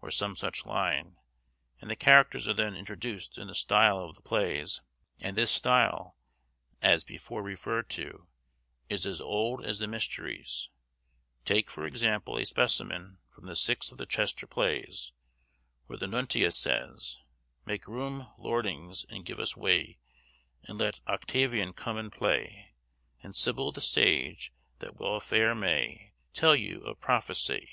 or some such line, and the characters are then introduced in the style of the plays, and this style, as before referred to, is as old as the Mysteries; take, for example, a specimen from the sixth of the Chester Plays, where the Nuntius says,— "Make rombe, lordinges, and geve us waie, And lette Octavian come and plaie; And Syble the Sage, that well fayer maye, To tell you of propheseye."